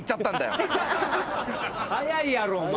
早いやろお前。